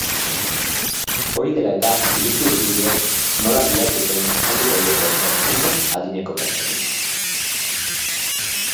Hori dela eta, iruzurgileek nola jarduten azalduko diete ertzainek adineko pertsonei.